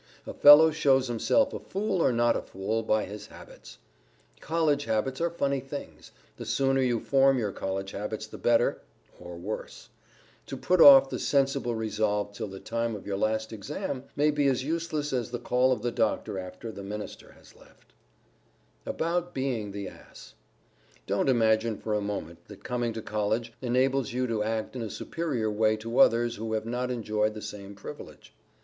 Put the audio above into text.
A fellow shows himself a fool or not a fool by his habits. College habits are funny things. The sooner you form your College habits the better, or worse. To put off the sensible resolve till the time of your last exam may be as useless as the call of the doctor after the minister has left. [Sidenote: ABOUT BEING THE ASS] Don't imagine for a moment that coming to College enables you to act in a superior way to others who have not enjoyed the same privilege.